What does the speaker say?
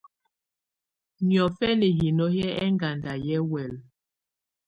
Niɔ́fɛnɛ hinó hɛ́ ɛŋgada yɛ́ huɛ́lɛ.